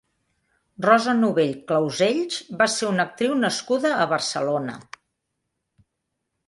Rosa Novell Clausells va ser una actriu nascuda a Barcelona.